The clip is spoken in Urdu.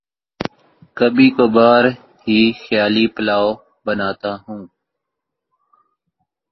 کبھی کبھار ہی خیالی پلاو بناتا ہوں